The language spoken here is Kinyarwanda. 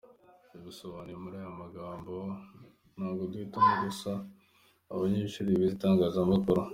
Yabisobanuye muri aya magambo: “Ntago duhitamo gusa abanyeshuli bize itangazamakuru.